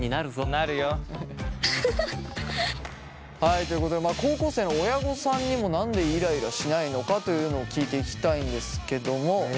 はいということで高校生の親御さんにも何でイライラしないのかというのを聞いていきたいんですけども。